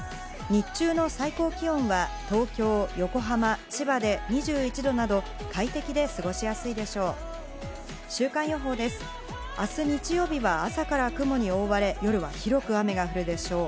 日中の最高気温は東京、横浜、千葉で２１度など快適で過ごしやすいでしょう。